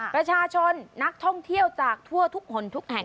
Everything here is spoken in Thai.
ประชาชนนักท่องเที่ยวจากทั่วทุกคนทุกแห่ง